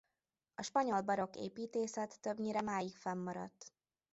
A spanyol barokk építészet többnyire máig fennmaradt.